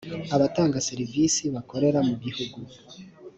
abatanga serivisi bakorera mu bihugu